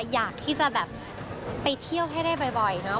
อยากที่จะแบบไปเที่ยวให้ได้บ่อยเนาะ